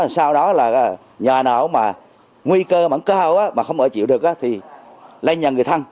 sau đó là nhà nào nguy cơ mà không ở chịu được thì lên nhà người thân